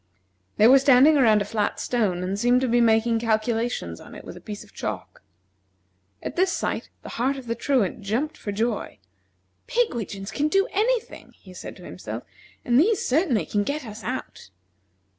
They were standing around a flat stone, and seemed to be making calculations on it with a piece of chalk. At this sight, the heart of the Truant jumped for joy. "Pigwidgeons can do any thing," he said to himself, "and these certainly can get us out."